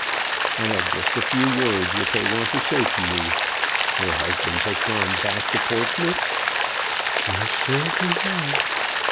"I have just a few words which I want to say to you. Your husband has gone back to Portsmouth?" "Yes sir; he have."